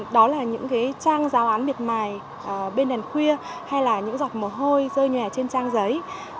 cái trang giáo án biệt mài bên đèn khuya hay là những dọc mồ hôi rơi nhòe trên trang giấy